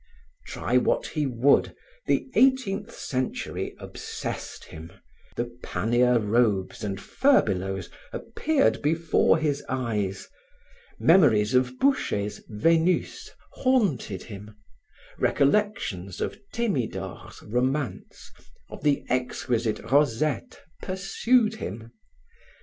Try what he would, the eighteenth century obsessed him; the panier robes and furbelows appeared before his eyes; memories of Boucher's Venus haunted him; recollections of Themidor's romance, of the exquisite Rosette pursued him.